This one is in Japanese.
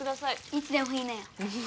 いつでも言いなよ